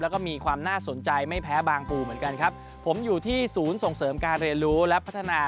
แล้วก็มีความน่าสนใจไม่แพ้บางปูเหมือนกันครับผมอยู่ที่ศูนย์ส่งเสริมการเรียนรู้และพัฒนา